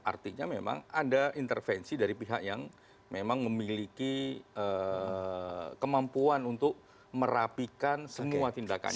artinya memang ada intervensi dari pihak yang memang memiliki kemampuan untuk merapikan semua tindakan